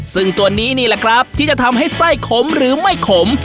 ซึ่งตัวนี้นี่แหละครับที่จะทำให้ไส้ขมหรือไม่ขม